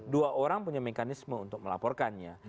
dua orang punya mekanisme untuk melaporkannya